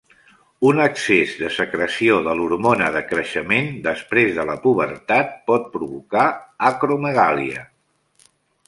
Un excés de secreció de l'hormona de creixement després de la pubertat pot provocar acromegàlia.